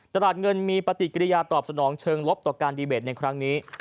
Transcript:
ตลาดเงินมีปฏิกิริยาตอบสนองเชิงลบต่อการดีเบตในครั้งนี้